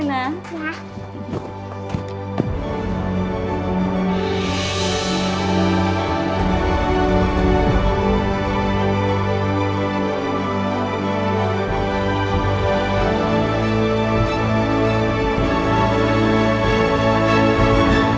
terima kasih rena